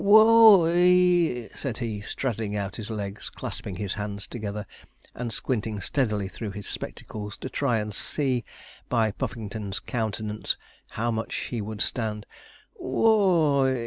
'Wh o o y!' said he, straddling out his legs, clasping his hands together, and squinting steadily through his spectacles, to try and see, by Puffington's countenance, how much he would stand. 'W h o o y!'